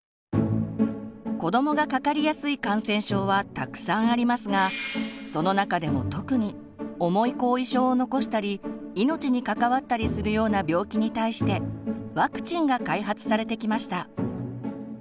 子どもがかかりやすい感染症はたくさんありますがその中でも特に重い後遺症を残したり命に関わったりするような病気に対してワクチンが開発されてきました。